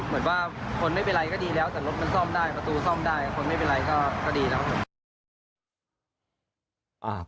เหมือนว่าคนไม่เป็นไรก็ดีแล้วแต่รถมันซ่อมได้ประตูซ่อมได้คนไม่เป็นไรก็ดีแล้วครับผม